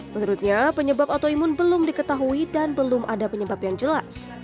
menurutnya penyebab autoimun belum diketahui dan belum ada penyebab yang jelas